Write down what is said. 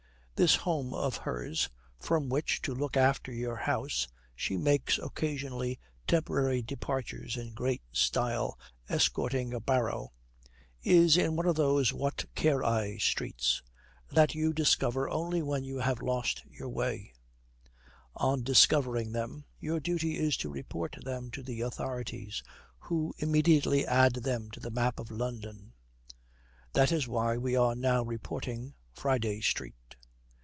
This home of hers (from which, to look after your house, she makes occasionally temporary departures in great style, escorting a barrow) is in one of those what care I streets that you discover only when you have lost your way; on discovering them, your duty is to report them to the authorities, who immediately add them to the map of London. That is why we are now reporting Friday Street.